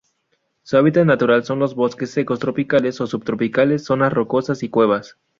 Su hábitat natural son los bosques secos tropicales o subtropicales, zonas rocosas y cuevas.